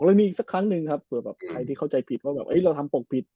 ยังมีอีกสักครั้งหนึ่งครับเผื่อแบบใครที่เข้าใจผิดว่าแบบเราทำปกปิด